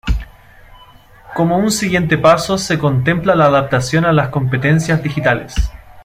Como un siguiente paso se contempla la adaptación a las competencias digitales.